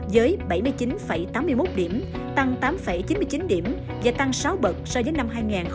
với bảy mươi chín tám mươi một điểm tăng tám chín mươi chín điểm và tăng sáu bậc so với năm hai nghìn một mươi bảy